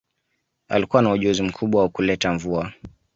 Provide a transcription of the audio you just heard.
Alikuwa na ujuzi mkubwa wa kuleta mvua